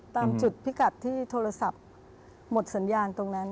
ตามจุดพิกัดที่โทรศัพท์หมดสัญญาณตรงนั้น